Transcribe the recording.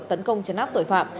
tấn công chấn áp tội phạm